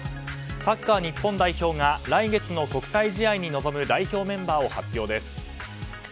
サッカー日本代表が来月の国際試合に臨む代表メンバーを発表です。